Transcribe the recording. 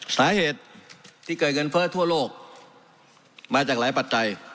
สาเหตุที่เกิดเงินเฟ้อทั่วโลกมาจากหลายปัจจัย